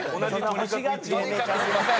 とにかくすいません。